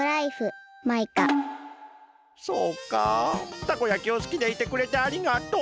そうかたこ焼きをすきでいてくれてありがとう。